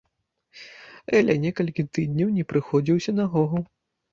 Эля некалькі тыдняў не прыходзіў у сінагогу.